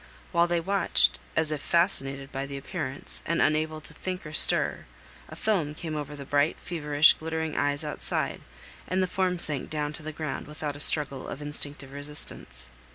While they watched, as if fascinated by the appearance, and unable to think or stir, a film came over the bright, feverish, glittering eyes outside, and the form sank down to the ground without a struggle of instinctive resistance.